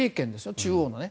中央のね。